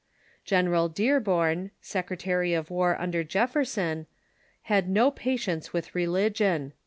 General Dearborn, Secretary of War under Jefferson, had no patience with religion.